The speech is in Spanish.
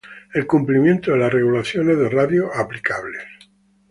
el cumplimiento de las regulaciones de radio aplicables